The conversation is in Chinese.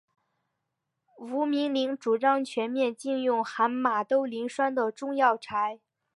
吴明铃主张全面禁用含马兜铃酸的中药材。